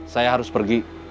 saya harus pergi